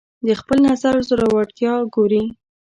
د خپل نظر زورورتیا ګوري